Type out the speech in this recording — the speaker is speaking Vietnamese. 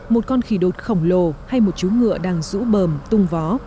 một con khỉ đột khổng lồ hay một chú ngựa đang rũ bờm tung vó